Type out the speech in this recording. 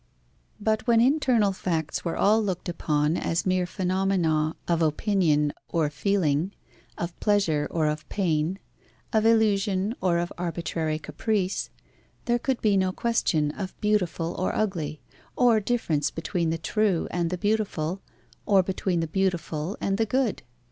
But when internal facts were all looked upon as mere phenomena of opinion or feeling, of pleasure or of pain, of illusion or of arbitrary caprice, there could be no question of beautiful or ugly, of difference between the true and the beautiful, or between the beautiful and the good.